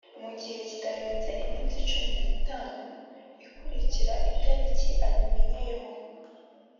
mu gihe kitarenze iminsi cumi n’itanu ikurikira itariki abimenyeyeho